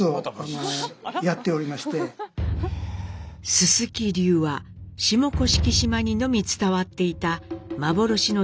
「鈴木流」は下甑島にのみ伝わっていた幻の柔術。